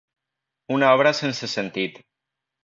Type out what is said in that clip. Una obra sense sentit.